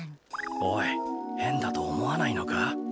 おいへんだとおもわないのか？